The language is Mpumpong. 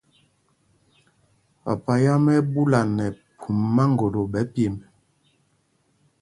Papa yǎm ɛ́ ɛ́ ɓúla nɛ phum maŋgolo ɓɛ̌ pyemb.